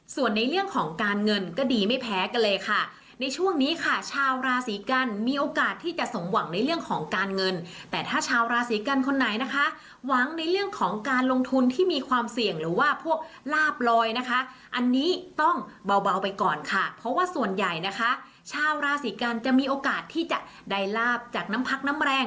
ส่วนในเรื่องของการเงินก็ดีไม่แพ้กันเลยค่ะในช่วงนี้ค่ะชาวราศีกันมีโอกาสที่จะสมหวังในเรื่องของการเงินแต่ถ้าชาวราศีกันคนไหนนะคะหวังในเรื่องของการลงทุนที่มีความเสี่ยงหรือว่าพวกลาบลอยนะคะอันนี้ต้องเบาไปก่อนค่ะเพราะว่าส่วนใหญ่นะคะชาวราศีกันจะมีโอกาสที่จะได้ลาบจากน้ำพักน้ำแรง